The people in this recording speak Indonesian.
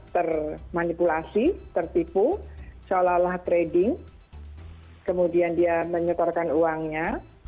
termanipulasi tertipu seolah olah trading kemudian dia menyetorkan uangnya